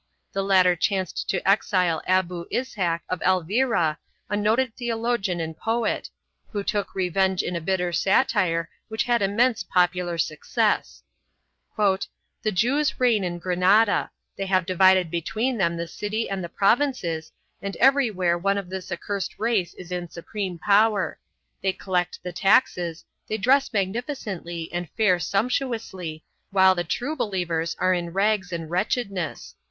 The latter chanced to exile Abu Ishac of Elvira, a noted theologian and poet, who took revenge in a bitter satire which had immense popular success. "The Jews reign in Gran ada; they have divided between them the city and the provinces, and everywhere one of this accursed race is in supreme power. They collect the taxes, they dress magnificently and fare sump tuously, while the true believers are in rags and wretchedness.